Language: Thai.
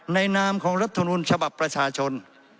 นามของรัฐมนุนฉบับประชาชน